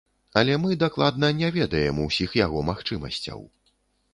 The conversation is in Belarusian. Але мы дакладна не ведаем усіх яго магчымасцяў.